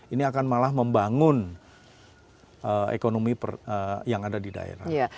ini akan malah membangun ekonomi yang ada di daerah